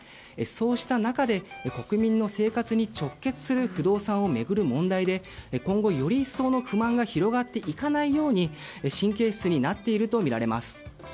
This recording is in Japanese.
そうした中で国民の生活に直結する不動産を巡る問題で今後、より一層の不満が広がっていかないように神経質になっているとみられます。